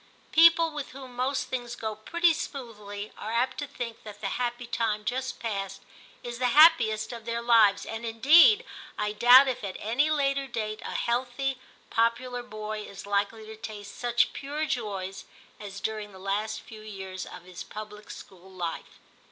People with whom most things go pretty smoothly are apt to think that the happy time just past is the happiest of their lives, and indeed I doubt if at any later date a healthy popular boy is likely to taste such pure joys as during the last few years of his public school life.